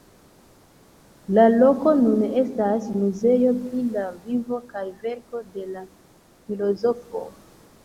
La loko nun estas muzeo pri la vivo kaj verko de la filozofo.